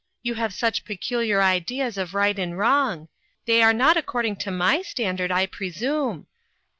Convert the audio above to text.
You have such peculiar ideas of right and wrong. They are not according to my standard, I presume.